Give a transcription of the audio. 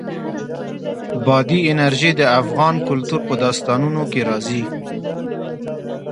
بادي انرژي د افغان کلتور په داستانونو کې راځي.